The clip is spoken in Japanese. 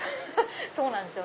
そうなんですよ。